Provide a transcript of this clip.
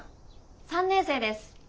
３年生です。